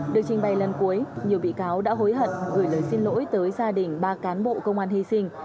được trình bày lần cuối nhiều bị cáo đã hối hận gửi lời xin lỗi tới gia đình ba cán bộ công an hy sinh